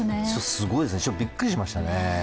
すごいですね、びっくりしましたね。